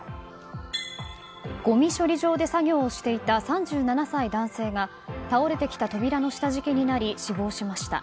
ごみ処理場で作業をしていた３７歳男性が倒れてきた扉の下敷きになり死亡しました。